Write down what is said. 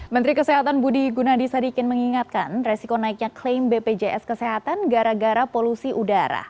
menteri kesehatan budi gunadisadikin mengingatkan resiko naiknya klaim bpjs kesehatan gara gara polusi udara